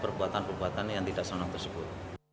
perbuatan perbuatan yang tidak senang tersebut